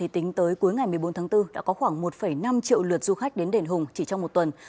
tính tới cuối ngày một mươi bốn tháng bốn đã có khoảng một năm triệu lượt du khách đến đền hùng chỉ trong một tuần